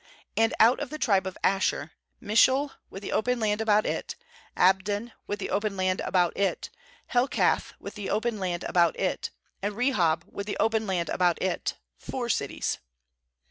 30And out of the tribe of Asher, Mishal with the open land about it, Abdon with the open land about it; 31Helkath with the open land about it, and Rehob with the open land about it; four cities.